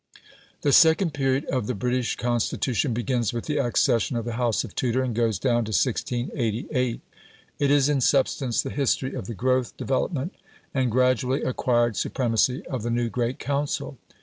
The second period of the British Constitution begins with the accession of the House of Tudor, and goes down to 1688; it is in substance the history of the growth, development, and gradually acquired supremacy of the new great council.